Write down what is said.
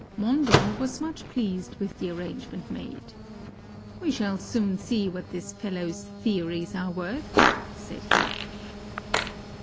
Mondo was much pleased with the arrangement made. "We shall soon see what this fellow's theories are worth," said he.